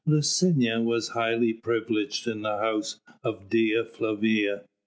Licinia was highly privileged in the house of Dea Flavia.